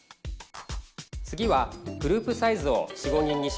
次はグループサイズを４５人にします。